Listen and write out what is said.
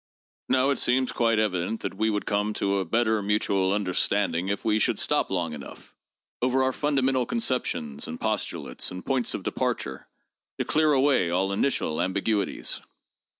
Now it seems quite evident that we would eome to a better mutual understanding if we should stop long enough over our fundamental conceptions and pos tulates and points of departure to clear away all initial ambiguities.